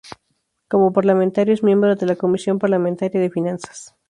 Como parlamentario es miembro de la Comisión parlamentaria de Finanzas.